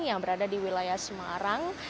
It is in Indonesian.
yang berada di wilayah semarang